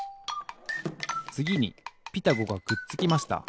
つぎに「ピタゴ」がくっつきました。